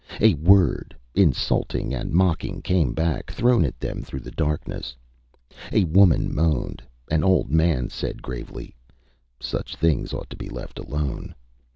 A word, insulting and mocking, came back, thrown at them through the darkness. A woman moaned. An old man said gravely: ÂSuch things ought to be left alone.